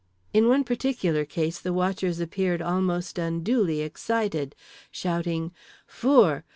In one particular case the watchers appeared almost unduly excited, shouting "four!"